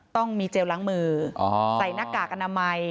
ต้องมีเจลล้างมือใส่หน้ากากอนามัย